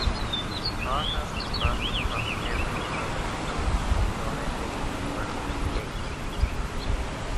A part of the profit from every product sold is donated towards the cause.